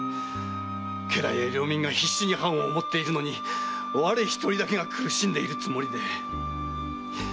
家来や領民が必死に藩を思っているのに我一人だけが苦しんでいるつもりで。